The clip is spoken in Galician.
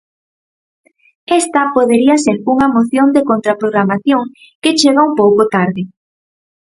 Esta podería ser unha moción de contraprogramación que chega un pouco tarde.